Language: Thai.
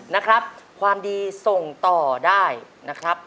นะครับความดีส่งต่อได้นะครับ